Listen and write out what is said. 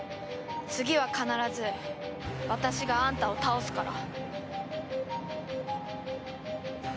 次は必ず私があんたを倒すから。